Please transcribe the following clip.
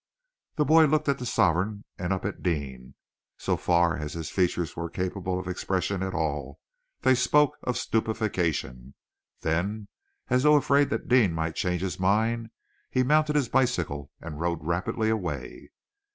The boy looked at the sovereign and up at Deane. So far as his features were capable of expression at all, they spoke of stupefaction. Then, as though afraid that Deane might change his mind, he mounted his bicycle and rode rapidly away.